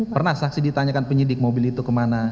pernah saksi ditanyakan penyidik mobil itu kemana